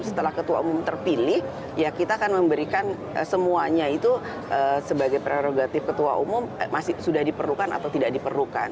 setelah ketua umum terpilih ya kita akan memberikan semuanya itu sebagai prerogatif ketua umum masih sudah diperlukan atau tidak diperlukan